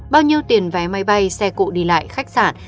bao nhiêu tiền vé máy bay xe cộ đi lại khách sạn